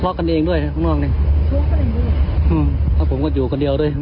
๒ฝ่ายหรือ๑ฝ่ายเดียว